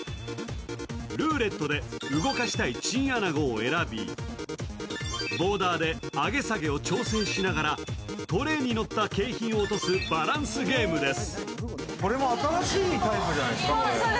ルーレットで動かしたいチンアナゴを選び、ボーダーで上げ下げを調整しながらトレーに乗った景品を落とすバランスゲームです。